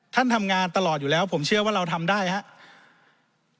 ทำงานตลอดอยู่แล้วผมเชื่อว่าเราทำได้ครับ